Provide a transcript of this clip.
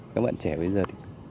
các bạn trẻ bây giờ thì